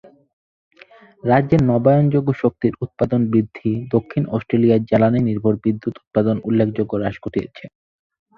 রাজ্যের নবায়ন যোগ্য শক্তির উৎপাদন বৃদ্ধি দক্ষিণ অস্ট্রেলিয়ায় জ্বালানি নির্ভর বিদ্যুত উৎপাদন উল্লেখযোগ্য হ্রাস ঘটিয়েছে।